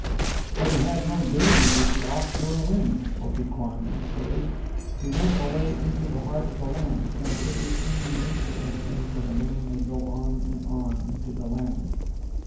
"But he had no doings with the off shore wind," Opee Kwan retorted. "He went away into the heart of the land, and it is in the nature of things that a man may go on and on into the land."